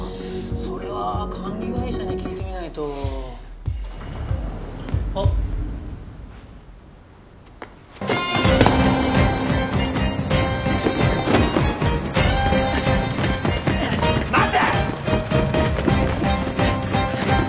それは管理会社に聞いてみないとあっ待て！